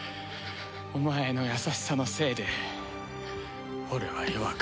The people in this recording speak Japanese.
お前の優しさのせいで俺は弱くなった。